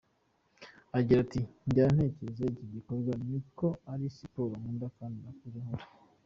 Agira ati “Njya gutekereza iki gikorwa ni uko ari siporo nkunda kandi nakuze nkora.